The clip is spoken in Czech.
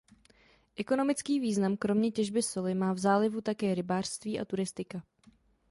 Ekonomický význam kromě těžby soli má v zálivu také rybářství a turistika.